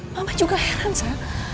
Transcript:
mama juga heran sa